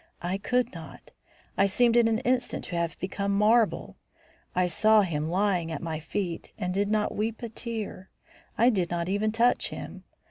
I could not. I seemed in an instant to have become marble. I saw him lying at my feet and did not weep a tear. I did not even touch him.